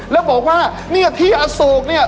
แล้วบอกว่าเนี่ยที่อโศกเนี่ย